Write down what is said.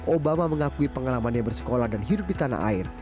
obama mengakui pengalamannya bersekolah dan hidup di tanah air